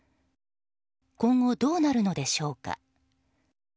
今後どうなるのでしょうか。